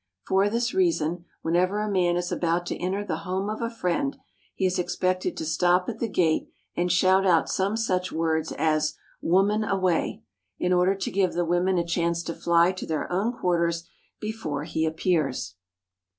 For thisL reason, whenever a man is about to enter the home of a friend, he is expected to stop at the gate and shout out some such words as " Woman away " in order to give the women a chance to fly to their own quarters before he appears.